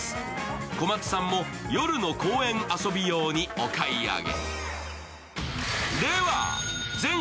小松さんも夜の公園用にお買い上げ。